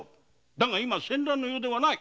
だが今は戦乱の世ではない。